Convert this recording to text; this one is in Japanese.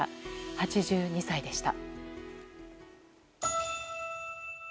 ８２歳でした。